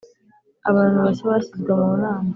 Abantu bashya bashyizwe mu Nama.